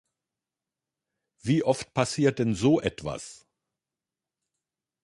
Wie oft passiert denn so etwas?